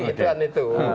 itu kan itu